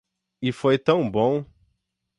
E foi tão bom!